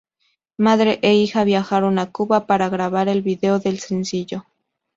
Madre e hija viajaron a Cuba para grabar el video del sencillo.